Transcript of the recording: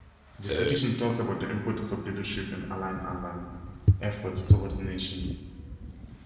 This edition talks about the importance of leadership and aligned aligned efforts towards nation.